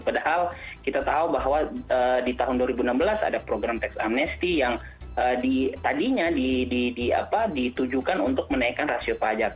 padahal kita tahu bahwa di tahun dua ribu enam belas ada program teks amnesty yang tadinya ditujukan untuk menaikkan rasio pajak